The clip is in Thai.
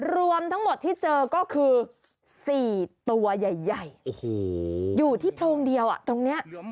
รวมทั้งหมดที่เจอก็คือ๔ตัวใหญ่อยู่ที่โพรงเดียวตรงนี้